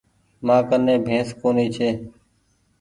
مآ ڪني بينس ڪونيٚ ڇي۔